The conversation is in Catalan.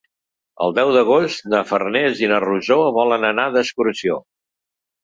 El deu d'agost na Farners i na Rosó volen anar d'excursió.